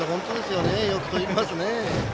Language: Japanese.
よく飛びますね。